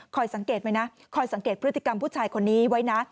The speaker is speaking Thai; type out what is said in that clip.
สังเกตไว้นะคอยสังเกตพฤติกรรมผู้ชายคนนี้ไว้นะ